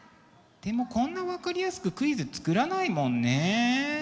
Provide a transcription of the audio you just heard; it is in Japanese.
でもこんな分かりやすくクイズ作らないもんね。